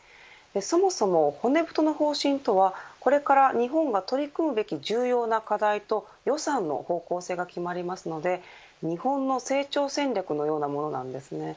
そもそも骨太の方針とはこれから日本が取り組むべき重要な課題と予算の方向性が決まりますので日本の成長戦略のようなものなんです。